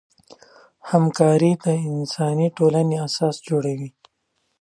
همکاري د انساني ټولنې اساس جوړوي.